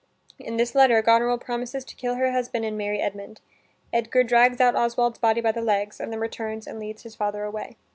In this letter Goneril promises to kill her husband and marry Edmund. Edgar drags out Oswald's body by the legs and then returns and leads his father away.